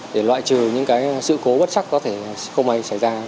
để loại trừ những sự cố bất sắc có thể không ai xảy ra